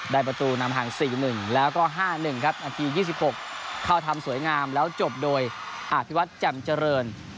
ประตูนำห่าง๔๑แล้วก็๕๑ครับนาที๒๖เข้าทำสวยงามแล้วจบโดยอธิวัตรแจ่มเจริญ